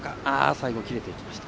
最後、切れていきました。